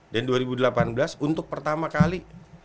dan dua ribu delapan belas untuk pertama kali